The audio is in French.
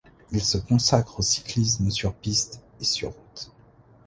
Il se consacre au cyclisme sur piste et sur route.